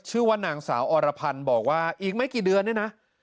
ชื่อว่านางสาวอรพันธ์บอกว่าอีกไม่กี่เดือนเนี่ยนะ